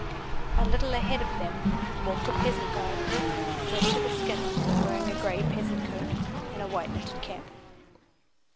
A little ahead of them walked a peasant guide, wet to the skin and wearing a gray peasant coat and a white knitted cap.